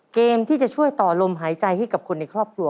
เกมที่จะช่วยต่อลมหายใจให้กับคนในครอบครัว